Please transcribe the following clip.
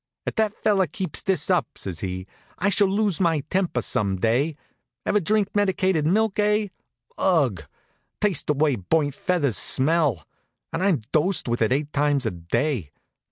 "If that fellow keeps this up," says he, "I shall lose my temper some day. Ever drink medicated milk, eh? Ugh! It tastes the way burnt feathers smell. And I'm dosed with it eight times a day!